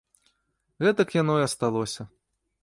Гэтак яно й асталося.